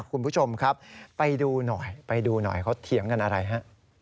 คุณผู้ชมครับไปดูหน่อยไปดูหน่อยเขาเถียงกันอะไรฮะ